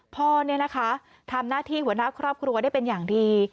พ่อเนี่ยนะคะทำหน้าที่หัวหน้าครอบครัวได้เป็นอย่างดี